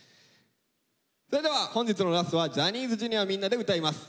それでは本日のラストはジャニーズＪｒ．みんなで歌います。